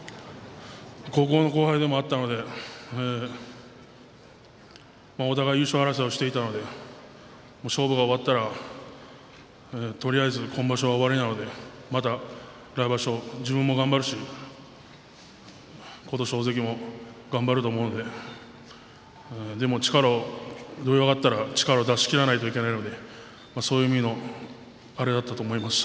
高校の後輩でもあったのでお互い優勝争いをしていたので勝負が終わったらとりあえず今場所は終わりなのでまた来場所自分も頑張るし琴勝峰関も頑張ると思うのででも力を土俵に上がったら力を出し切らないといけないのでそういう意味のあれだったと思いました。